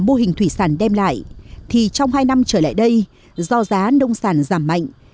mô hình thủy sản đem lại thì trong hai năm trở lại đây do giá nông sản giảm mạnh